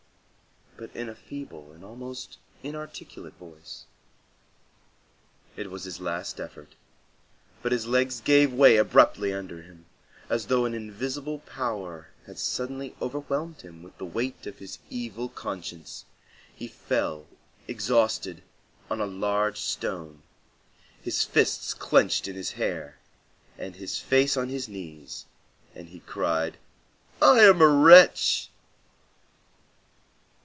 but in a feeble and almost inarticulate voice. It was his last effort; his legs gave way abruptly under him, as though an invisible power had suddenly overwhelmed him with the weight of his evil conscience; he fell exhausted, on a large stone, his fists clenched in his hair and his face on his knees, and he cried, "I am a wretch!"